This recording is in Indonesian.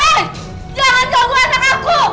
hei jangan ganggu anak aku